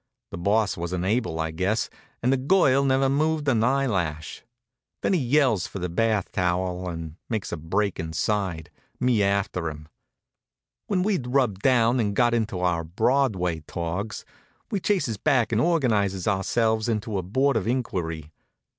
The Boss wasn't able, I guess, and the girl never moved an eyelash. Then he yells for the bath towel and makes a break inside, me after him. When we'd rubbed down and got into our Broadway togs, we chases back and organizes ourselves into a board of inquiry.